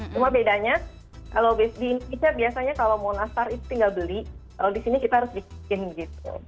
cuma bedanya kalau di indonesia biasanya kalau mau nastar itu tinggal beli kalau di sini kita harus bikin gitu